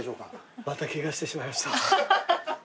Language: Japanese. またケガしてしまいました。